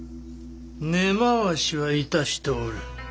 根回しは致しておる。